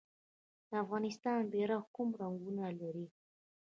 د افغانستان بیرغ کوم رنګونه لري؟